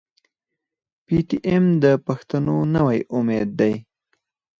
پي ټي ايم د پښتنو نوی امېد دی.